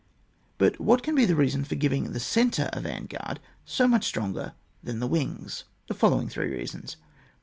But what can be the reason for giving the centre a van gpiard so much stronger than the wings? The following three reasons.